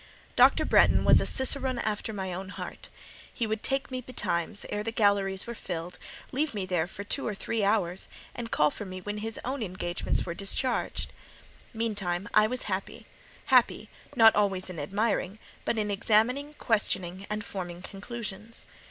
Dr. Bretton was a cicerone after my own heart; he would take me betimes, ere the galleries were filled, leave me there for two or three hours, and call for me when his own engagements were discharged. Meantime, I was happy; happy, not always in admiring, but in examining, questioning, and forming conclusions.